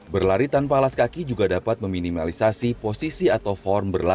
berlari tanpa alas kaki juga dapat meminimalisasi posisi atau form berlari